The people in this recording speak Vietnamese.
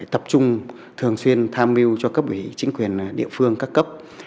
tập trung thường xuyên tham mưu cho cấp ủy chính quyền địa phương các cấp